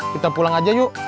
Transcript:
kita pulang aja yuk